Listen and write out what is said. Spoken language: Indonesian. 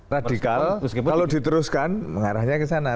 radikal kalau diteruskan mengarahnya ke sana